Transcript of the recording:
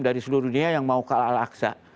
dari seluruh dunia yang mau kalah al aqsa